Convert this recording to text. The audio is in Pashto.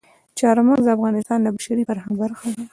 چار مغز د افغانستان د بشري فرهنګ برخه ده.